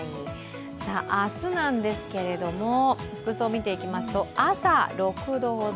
明日なんですけれども、服装、見ていきますと朝、６度ほど。